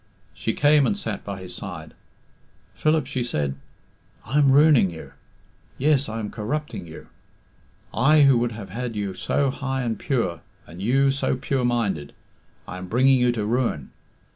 She came and sat by his side. "Philip," she said, "I am ruining you. Yes, I am corrupting you. I who would have had you so high and pure and you so pure minded I am bringing you to ruin.